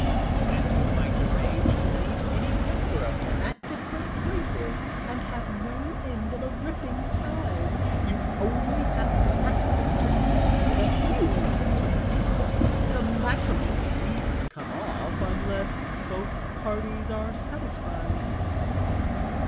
And you might arrange to meet any number of them at different places, and have no end of a ripping time. You only have to ask them to meet you with a view to matrimony; the matrimony needn't come off, unless both parties are satisfied."